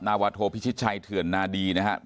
นาวาโทพิชิตชัยเถื่อนนาดีนะครับ